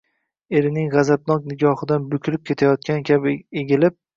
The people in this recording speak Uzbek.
Erining gʼazabnok nigohidan bukilib ketayotgan kabi egilib: